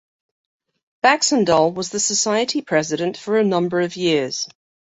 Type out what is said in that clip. Baxandall was the Society president for a number of years.